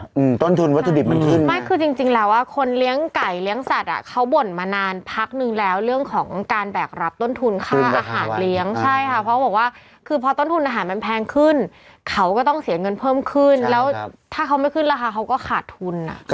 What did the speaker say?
อืมต้นทุนวัตถุดิบมันขึ้นไม่คือจริงจริงแล้วอ่ะคนเลี้ยงไก่เลี้ยงสัตว์อ่ะเขาบ่นมานานพักนึงแล้วเรื่องของการแบกรับต้นทุนค่าอาหารเลี้ยงใช่ค่ะเพราะเขาบอกว่าคือพอต้นทุนอาหารมันแพงขึ้นเขาก็ต้องเสียเงินเพิ่มขึ้นแล้วถ้าเขาไม่ขึ้นราคาเขาก็ขาดทุนอ่ะ